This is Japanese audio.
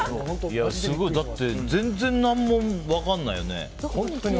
だって、全然何も分かんないよね。